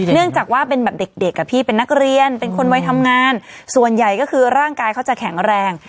เนื่องจากว่าเป็นแบบเด็กอ่ะพี่เป็นนักเรียนเป็นคนวัยทำงานส่วนใหญ่ก็คือร่างกายเขาจะแข็งแรง